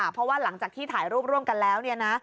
เพราะว่าหลังจากที่ถ่ายรูปร่วมกันแล้ว